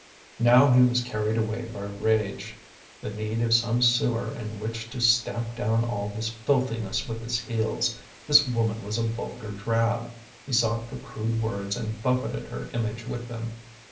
Now he was carried away by rage, the need of some sewer in which to stamp down all this filthiness with his heels. This woman was a vulgar drab; he sought for crude words and buffeted her image with them.